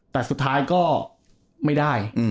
แต่สุดท้ายก็ไม่ได้